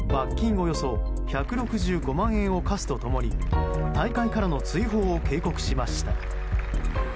およそ１６５万円を科すとともに大会からの追放を警告しました。